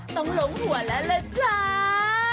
ต้องลงหัวแล้วล่ะจ้า